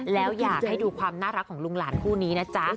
แล้วอยากให้ดูความน่ารักของลุงหลานคู่นี้นะจ๊ะ